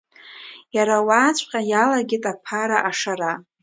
Иара уааҵәҟьа иалагеит аԥара ашара.